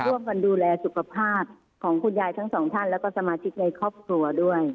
ร่วมกันดูแลสุขภาพของคุณยายทั้งสองท่านแล้วก็สมาชิกในครอบครัวด้วย